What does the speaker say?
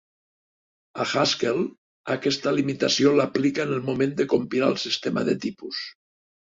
A Haskell, aquesta limitació l'aplica en el moment de compilar el sistema de tipus.